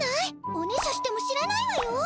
オネショしても知らないわよ？